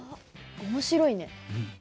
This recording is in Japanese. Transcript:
面白いね。